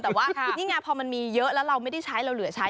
แต่ว่านี่ไงพอมันมีเยอะแล้วเราไม่ได้ใช้เราเหลือใช้